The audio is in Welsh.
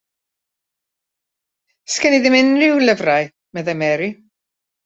Does gen i ddim unrhyw lyfrau, meddai Mary.